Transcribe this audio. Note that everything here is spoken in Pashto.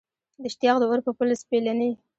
د اشتیاق د اور په پل سپېلني